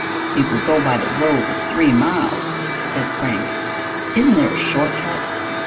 "If we go by the road it's three miles," said Frank. "Isn't there a short cut?"